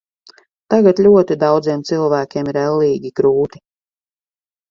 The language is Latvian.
Tagad ļoti daudziem cilvēkiem ir ellīgi grūti.